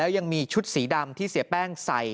ยังมีชุดสีดำที่เสียแป้งใส่